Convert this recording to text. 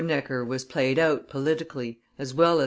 Necker was played out politically as well as M.